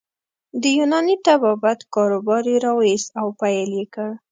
د یوناني طبابت کاروبار يې راویست او پیل یې کړ.